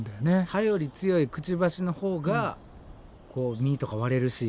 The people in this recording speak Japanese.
歯より強いくちばしのほうがこう実とか割れるし。